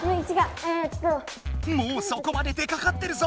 もうそこまで出かかってるぞ！